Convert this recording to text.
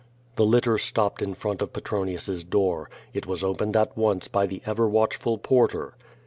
The litter stopped in front of Petronius's door. It was opened at once by the ever watchful porter.